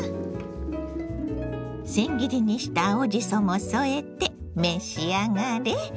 せん切りにした青じそも添えて召し上がれ。